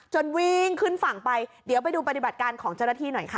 วิ่งขึ้นฝั่งไปเดี๋ยวไปดูปฏิบัติการของเจ้าหน้าที่หน่อยค่ะ